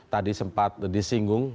tadi sempat disinggung